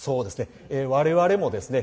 我々もですね